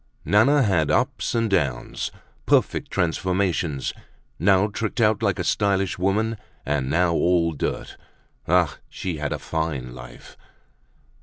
Nana had ups and downs, perfect transformations, now tricked out like a stylish woman and now all dirt. Ah! she had a fine life.